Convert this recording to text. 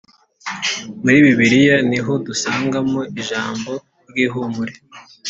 muri Bibiliya niho dusangamo ijambo ryihumure